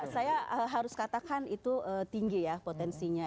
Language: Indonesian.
saya harus katakan itu tinggi ya potensinya